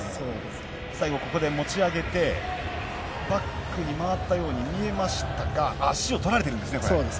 最後持ち上げてバックに回ったように見えましたが足を取られているんですね。